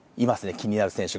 気になる選手が。